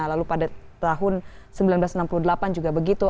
lalu pada tahun seribu sembilan ratus enam puluh delapan juga begitu